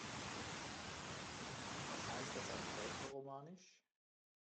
Was heißt das auf Rätoromanisch?